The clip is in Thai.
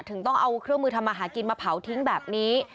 ต้องเอาเครื่องมือทำมาหากินมาเผาทิ้งแบบนี้